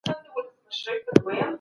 په ځمکه کي د فساد کوونکي سزا څه ده؟